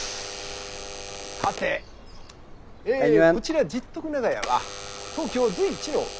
さてえこちら十徳長屋は東京随一の貧乏長屋。